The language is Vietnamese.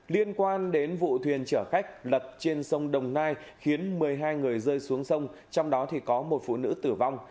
liên quan đến vụ thuyền chở khách lật trên sông đồng nai khiến một mươi hai người rơi xuống sông trong đó có một phụ nữ tử vong